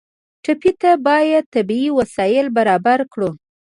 ټپي ته باید طبي وسایل برابر کړو.